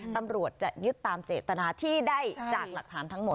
ตำรวจจะยึดตามเจตนาที่ได้จากหลักฐานทั้งหมด